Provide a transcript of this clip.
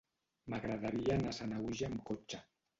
M'agradaria anar a Sanaüja amb cotxe.